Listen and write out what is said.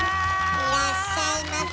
いらっしゃいませ。